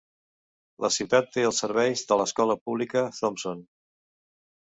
La ciutat té els serveis de l'escola pública Thompson.